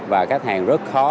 và khách hàng rất khó